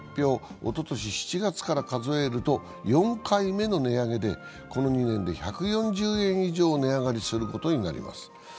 おととし７月から数えると４回目の値上げでこの２年で１４０円以上、値上がりすることになります。